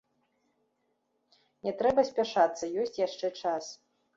Не трэба спяшацца, ёсць яшчэ час.